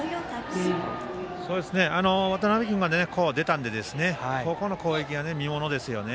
渡邊君が出たのでここの攻撃は見ものですよね。